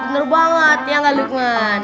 bener banget ya laluqman